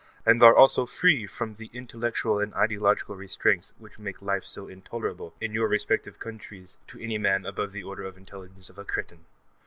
and are also free from the intellectual and ideological restraints which make life so intolerable in your respective countries to any man above the order of intelligence of a cretin.